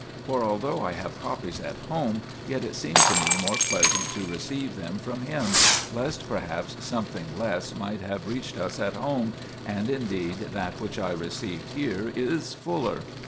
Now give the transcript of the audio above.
For although I have copies at home, yet it seemed to me more pleasant to receive them from 36 THE PILGRIMAGE OF ETHERIA him, lest perhaps something less might have reached us at home, and indeed that which I received here is fuller.